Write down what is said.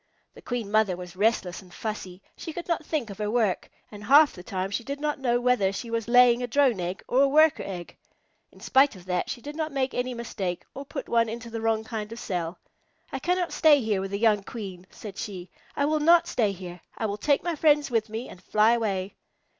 The Queen Mother was restless and fussy. She could not think of her work, and half the time she did not know whether she was laying a Drone egg or a Worker egg. In spite of that, she did not make any mistake, or put one into the wrong kind of cell. "I cannot stay here with a young Queen," said she. "I will not stay here. I will take my friends with me and fly away."